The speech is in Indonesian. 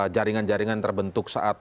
jaringan jaringan terbentuk saat